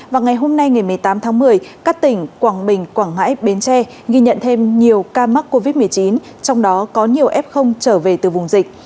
và ngày hôm nay ngày một mươi tám tháng một mươi các tỉnh quảng bình quảng ngãi bến tre ghi nhận thêm nhiều ca mắc covid một mươi chín trong đó có nhiều f trở về từ vùng dịch